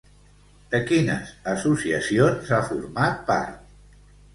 De quines associacions ha format part?